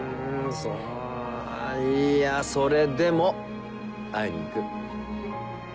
いやそれでも会いに行く。